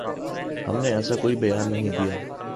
ہم نے ایسا کوئی بیان نہیں دیا